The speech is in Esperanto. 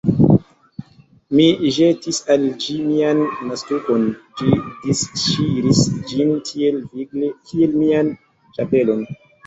Mi ĵetis al ĝi mian naztukon: ĝi disŝiris ĝin tiel vigle, kiel mian ĉapelon.